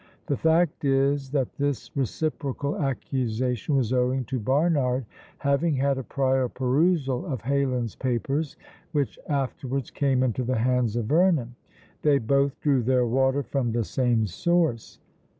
The fact is, that this reciprocal accusation was owing to Barnard having had a prior perusal of Heylin's papers, which afterwards came into the hands of Vernon: they both drew their water from the same source.